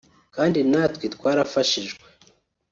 kandi natwe twarafashijwe